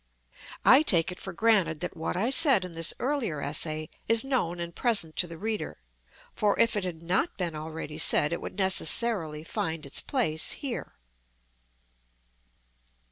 I take it for granted that what I said in this earlier essay is known and present to the reader, for if it had not been already said it would necessarily find its place here.